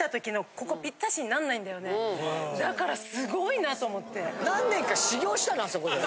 だからすごいなと思って。